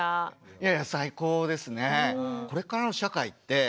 いや最高ですね。